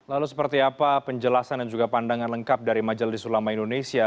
lalu seperti apa penjelasan dan juga pandangan lengkap dari majelis ulama indonesia